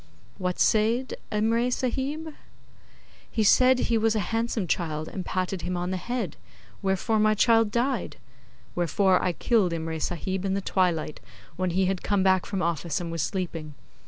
'What said Imray Sahib?' 'He said he was a handsome child, and patted him on the head; wherefore my child died. Wherefore I killed Imray Sahib in the twilight, when he had come back from office, and was sleeping.